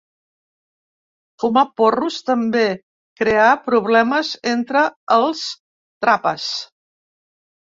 Fumar porros també creà problemes entre els Trapas.